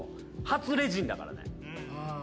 初レジンだからね。